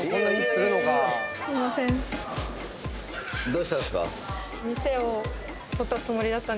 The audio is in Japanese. どうしたんですか？